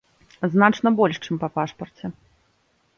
Значна больш, чым па пашпарце.